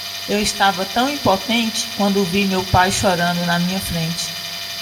Eu estava tão impotente quando vi meu pai chorando na minha frente.